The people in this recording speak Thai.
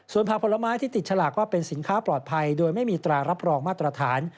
ส่วนผักผลไม้ที่ติดฉลากว่าเป็นสินค้าปลอดภัยโดยไม่มีตรารับรองมาตรฐาน